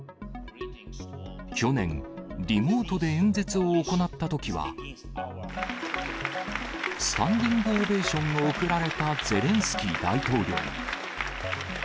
去年、リモートで演説を行ったときは、スタンディングオベーションを送られたゼレンスキー大統領。